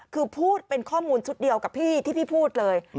คือพูดเป็นข้อมูลชุดเดียวกับพี่ที่พี่พูดเลย